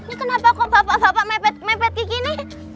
ini kenapa kok bapak bapak mepet mepet kiki nih